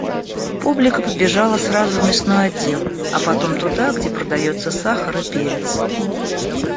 Публика побежала сразу в мясной отдел, а потом туда, где продается сахар и перец.